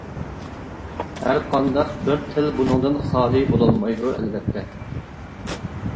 ھەر قانداق بىر تىل بۇنىڭدىن خالىي بولالمايدۇ، ئەلۋەتتە.